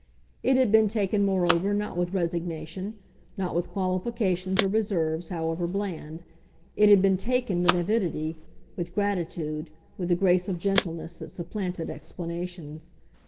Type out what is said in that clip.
It had been taken moreover not with resignation, not with qualifications or reserves, however bland; it had been taken with avidity, with gratitude, with a grace of gentleness that supplanted explanations.